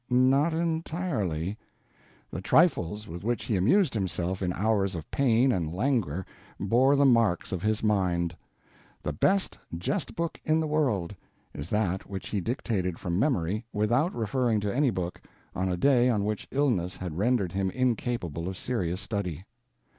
Not entirely: The trifles with which he amused himself in hours of pain and languor bore the mark of his mind. The Best Jest Book In The World is that which he dictated from memory, without referring to any book, on a day on which illness had rendered him incapable of serious study.